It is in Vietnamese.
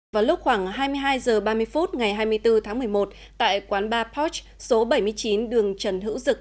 vào lúc khoảng hai mươi hai h ba mươi phút ngày hai mươi bốn tháng một mươi một tại quán bar poch số bảy mươi chín đường trần hữu dực